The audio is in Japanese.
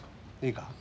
いいか？